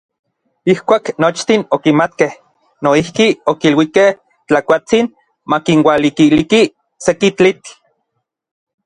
Ijkuak nochtin okimatkej, noijki okiluikej Tlakuatsin makinualikiliki seki tlitl.